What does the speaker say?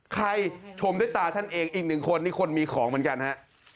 ชมด้วยตาท่านเองอีกหนึ่งคนนี่คนมีของเหมือนกันฮะ